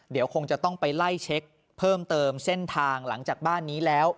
เดี๋ยวคงจะต้องไปไล่เช็คเพิ่มเติมเส้นทางหลังจากบ้านนี้แล้ว